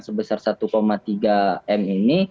sebesar satu tiga m ini